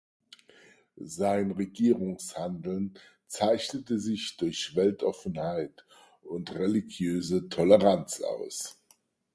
Sein Regierungshandeln zeichnete sich durch Weltoffenheit und religiöse Toleranz aus.